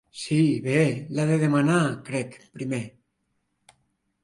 Sí, bé, l'ha de demanar crec primer.